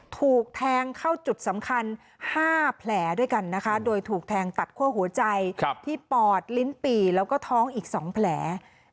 ถูกแทงเข้าจุดสำคัญ๕แผลด้วยกันนะคะโดยถูกแทงตัดคั่วหัวใจที่ปอดลิ้นปี่แล้วก็ท้องอีก๒แผล